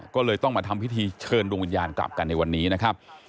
ก็เลยต้องมาทำพิธีเชิญดวงวิญญาณกลับกันในวันนี้นะครับ